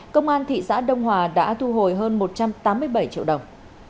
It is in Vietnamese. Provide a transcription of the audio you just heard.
công an thị xã đông hòa đã thu hồi hơn một trăm tám mươi bảy triệu đồng